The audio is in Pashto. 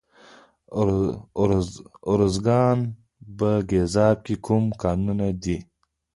د ارزګان په ګیزاب کې کوم کانونه دي؟